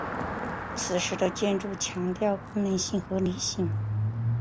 此时的建筑强调功能性和理性。